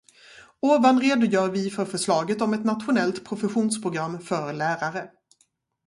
Ovan redogör vi för förslaget om ett nationellt professionsprogram för lärare.